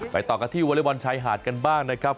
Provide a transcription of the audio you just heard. ต่อกันที่วอเล็กบอลชายหาดกันบ้างนะครับ